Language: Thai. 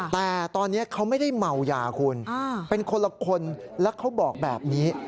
แต่ตอนนี้เขาไม่ได้เมายาคุณเป็นคนละคนแล้วเขาบอกแบบนี้